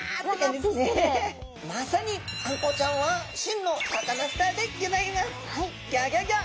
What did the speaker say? まさにあんこうちゃんは真のサカナスターでギョざいます！